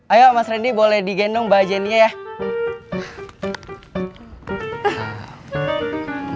ayo mas rendy boleh digendong mbak jenny nya ya